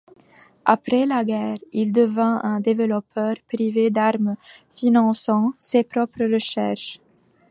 Après la guerre, il devint un développeur privé d'armes finançant ses propres recherches.